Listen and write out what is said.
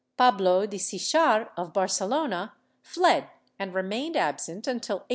Pablo de Sichar of Barcelona fled and remained absent until 1823.